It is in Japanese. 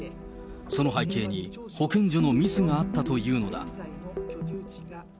その背景に、保健所のミスがあったというのだ。